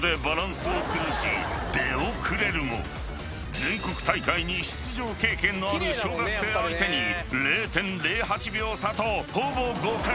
［出遅れるも全国大会に出場経験のある小学生相手に０．０８秒差とほぼ互角］